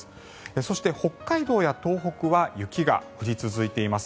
そして北海道や東北は雪が降り続いています。